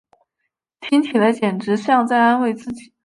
听起来简直像在安慰自己